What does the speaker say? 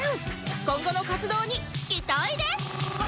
今後の活動に期待です